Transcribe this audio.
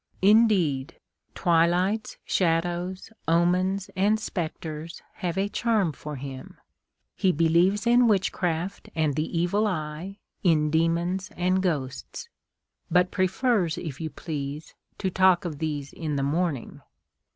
Indeed, twilights, shadows, omens, and spectres have a charm for him. lie believes in witchcraft and the evil eye, in demons and ghosts, — but prefers, if you please, to talk of these in the morning.